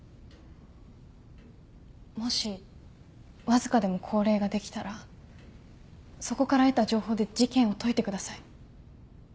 もしわずかでも降霊ができたらそこから得た情報で事件を解いてください。